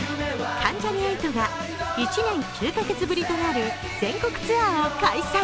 関ジャニ∞が１年９カ月ぶりとなる全国ツアーを開催。